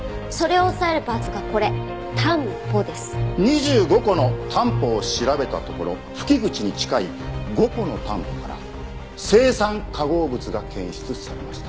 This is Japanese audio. ２５個のタンポを調べたところ吹き口に近い５個のタンポから青酸化合物が検出されました。